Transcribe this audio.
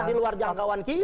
ini di luar jangkaan kita